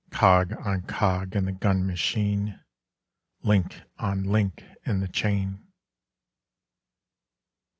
Cog on cog in the gun machine, link on link in the chain!